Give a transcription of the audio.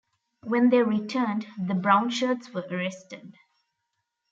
When they returned, the brownshirts were arrested.